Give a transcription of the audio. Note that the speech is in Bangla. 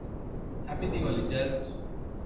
Happy Diwali, jazz.